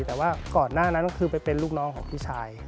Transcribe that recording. แต่ว่าก่อนหน้านั้นก็คือไปเป็นลูกน้องของพี่ชาย